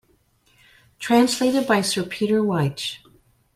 Translated by Sir Peter Wyche.